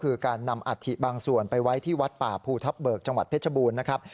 คือการนำอัฐิบางส่วนไปไว้ที่วัดป่าภูทับเบิกจังหวัดเพชรบูรณ์นะครับ